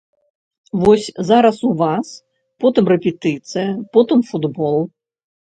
Вось зараз у вас, потым рэпетыцыя, потым футбол.